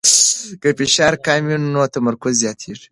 که فشار کم وي نو تمرکز زیاتېږي.